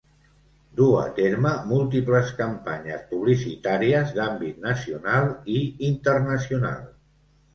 Duu a terme múltiples campanyes publicitàries d’àmbit nacional i internacional.